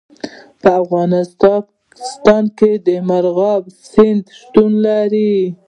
په افغانستان کې د مورغاب سیند شتون لري.